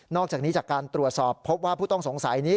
อกจากนี้จากการตรวจสอบพบว่าผู้ต้องสงสัยนี้